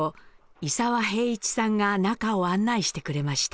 伊澤平一さんが中を案内してくれました。